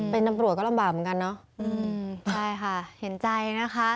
เป็นตำรวจก็ลำบากเหมือนกันเนอะใช่ค่ะเห็นใจนะคะ